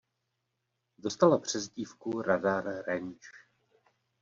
Dostala přezdívku "Radar range".